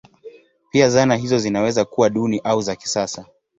Pia zana hizo zinaweza kuwa duni au za kisasa.